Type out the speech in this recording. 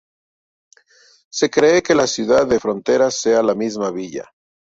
Se cree que la ciudad de Frontera sea la misma villa.